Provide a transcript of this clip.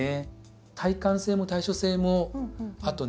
耐寒性も耐暑性もあとね